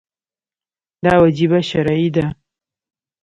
دا وجیبه شرعي ده.